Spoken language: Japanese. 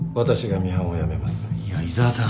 いや井沢さん。